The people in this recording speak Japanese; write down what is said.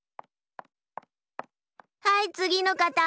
はいつぎのかた。